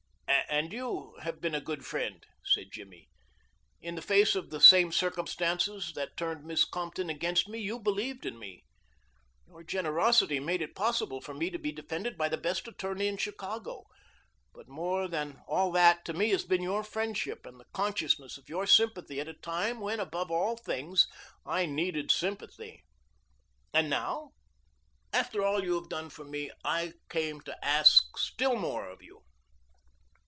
"And you have been a good friend," said Jimmy. "In the face of the same circumstances that turned Miss Compton against me you believed in me. Your generosity made it possible for me to be defended by the best attorney in Chicago, but more than all that to me has been your friendship and the consciousness of your sympathy at a time when, above all things, I needed sympathy. And now, after all you have done for me I came to ask still more of you."